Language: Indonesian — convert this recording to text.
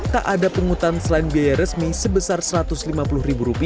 tak ada penghutan selain biaya resmi sebesar rp satu ratus lima puluh